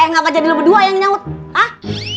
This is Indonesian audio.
eh nggak jadi lo berdua yang nyawut hah